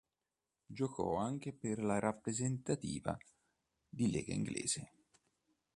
Giocò anche per la rappresentativa di lega inglese.